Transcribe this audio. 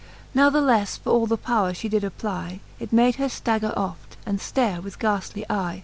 l^athlelTe for all the powre fhe did apply, It made her ftagger oft, and ftare with ghaftly eye.